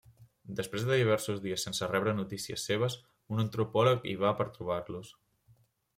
Després de diversos dies sense rebre notícies seves, un antropòleg hi va per trobar-los.